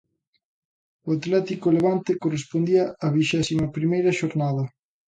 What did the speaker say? O Atlético Levante correspondía á vixésimo primeira xornada.